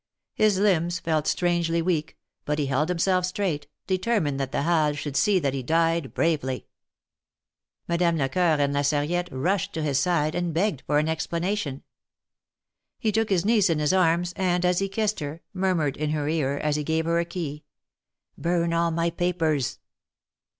His limbs felt strangely weak, but he held himself straight, determined that the Halles should see that he died bravely. Madame Lecoeur and La Sarriette rushed to his side, and begged for an explanation. He took his niece in his arms, and, as he kissed her, murmured in her ear, as he gave her a key :" Burn all my papers."